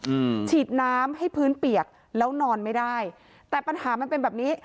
อืมฉีดน้ำให้พื้นเปียกแล้วนอนไม่ได้แต่ปัญหามันเป็นแบบนี้